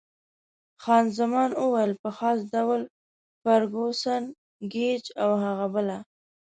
خان زمان وویل: په خاص ډول فرګوسن، ګېج او هغه بله.